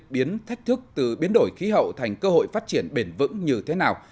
biến thách thức từ biến đổi khí hậu thành cơ hội phát triển bền vững như thế nào